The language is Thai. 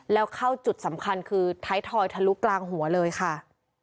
แล้วเข้าจุดสำคัญคือท้ายทอยทะลุกลางหัวเลยค่ะ